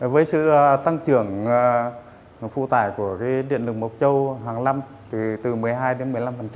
với sự tăng trưởng phụ tải của điện lực mộc châu hàng năm từ một mươi hai đến một mươi năm